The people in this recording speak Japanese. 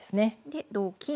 で同金。